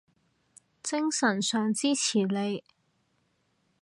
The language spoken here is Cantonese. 精神上支持你